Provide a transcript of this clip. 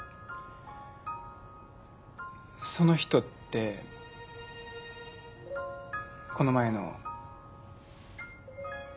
その人ってこの前の。